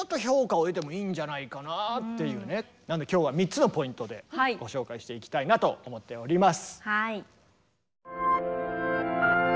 今日は３つのポイントでご紹介していきたいなと思っております。